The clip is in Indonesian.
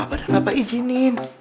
apa ada papa izinin